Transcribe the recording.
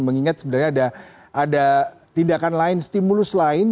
mengingat sebenarnya ada tindakan lain stimulus lain